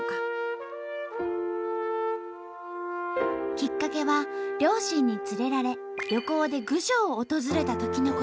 きっかけは両親に連れられ旅行で郡上を訪れたときのこと。